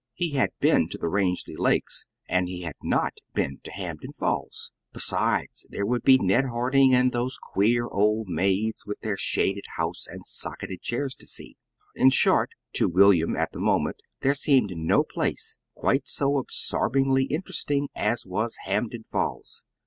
He had been to the Rangeley Lakes, and he had not been to Hampden Falls; besides, there would be Ned Harding and those queer old maids with their shaded house and socketed chairs to see. In short, to William, at the moment, there seemed no place quite so absorbingly interesting as was Hampden Falls.